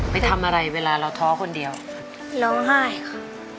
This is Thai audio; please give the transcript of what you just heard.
ไปทำอะไรเวลาเราท้อคนเดียวร้องไห้ค่ะ